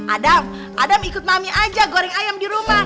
adam adam ikut mami aja goreng ayam di rumah